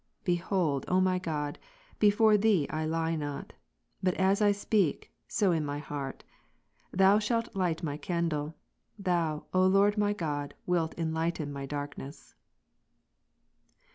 Behold, O my God, before Thee I lie not ; but as I speak, so is my heart. Thou shalt light my candle ; 28. ' Thou, O Lord my God, wilt enlighten my darkness.